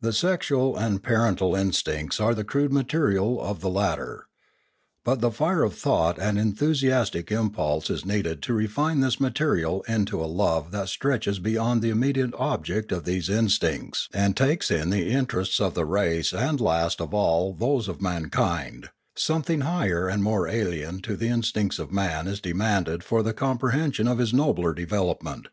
The sexual and the parental instincts are the crude material of the lat ter. But the fire of thought and enthusiastic impulse is needed to refine this material into a love that stretches beyond the immediate object of these instincts and takes in the interests of the race and last of all those of mankind; something higher and more alien to the instincts of man is demanded for the comprehension of his nobler development.